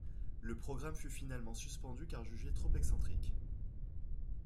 Le programme fut finalement suspendu car jugé trop excentrique.